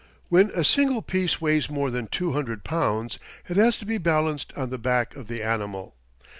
When a single piece weighs more than two hundred pounds it has to be balanced on the back of the animal.